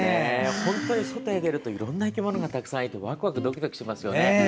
本当に外へ出るといろんな生き物がたくさんいてワクワクしますよね。